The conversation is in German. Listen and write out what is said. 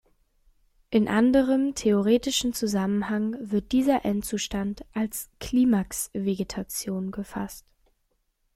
In anderem theoretischen Zusammenhang wird dieser Endzustand als Klimaxvegetation gefasst.